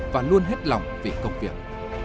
và luôn hết lòng vì công việc